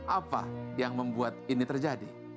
apa yang membuat ini terjadi